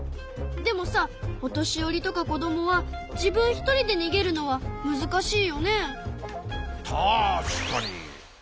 でもさお年寄りとか子どもは自分一人でにげるのはむずかしいよね。